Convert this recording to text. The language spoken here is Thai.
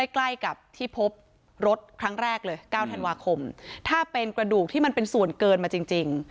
ใกล้กับที่พบรถครั้งแรกเลย๙ธันวาคมถ้าเป็นกระดูกที่มันเป็นส่วนเกินมาจริง